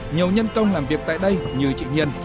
nhiều nhân công làm việc tại đây như chị nhiên